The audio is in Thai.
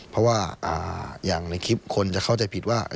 เพราะว่าอย่างในคลิปคนจะเข้าใจผิดว่า